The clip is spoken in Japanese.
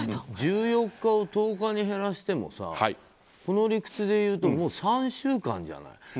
１４日を１０日に減らしてもこの理屈でいうともう３週間じゃない。